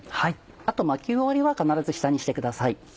あと巻き終わりは必ず下にしてください。